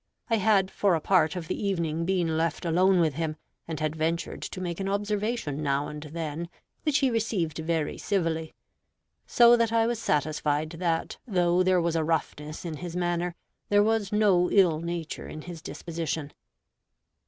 I had for a part of the evening been left alone with him, and had ventured to make an observation now and then, which he received very civilly; so that I was satisfied that though there was a roughness in his manner, there was no ill nature in his disposition.